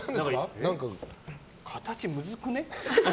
形むずくね？